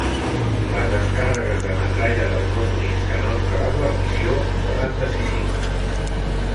Les descàrregues de metralla dels dos únics canons de la guarnició foren decisives.